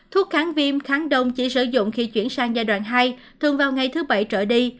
thuốc kháng viêm kháng đông chỉ sử dụng khi chuyển sang giai đoạn hai thường vào ngày thứ bảy trở đi